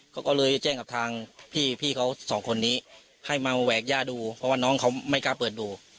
เขาก็เลยแจ้งกับทางพี่เขาสองคนนี้ให้มาแหวกย่าดูเพราะว่าน้องเขาไม่กล้าเปิดดู